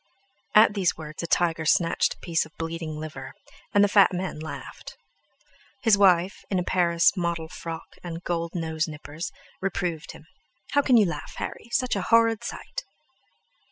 At these words a tiger snatched a piece of bleeding liver, and the fat man laughed. His wife, in a Paris model frock and gold nose nippers, reproved him: "How can you laugh, Harry? Such a horrid sight!"